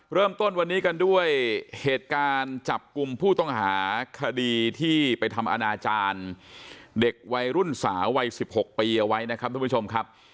เริ่มต้นวันนี้กันด้วยเหตุการณ์จับกลุ่มผู้ต้องหาคดีที่ไปทำอนาจารย์เด็กวัยรุ่นสาววัย๑๖ปีเอาไว้นะครับทุกผู้ชมครับ